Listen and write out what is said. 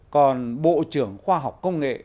còn bộ trưởng khoa học công nghệ